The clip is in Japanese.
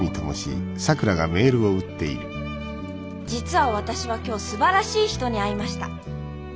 「実は私は今日すばらしい人に会いました。